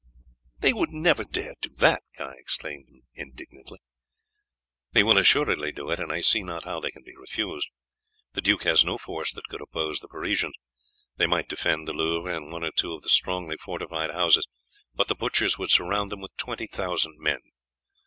"They would never dare do that!" Guy exclaimed indignantly. "They will assuredly do it, and I see not how they can be refused. The duke has no force that could oppose the Parisians. They might defend the Louvre and one or two of the strongly fortified houses, but the butchers would surround them with twenty thousand men.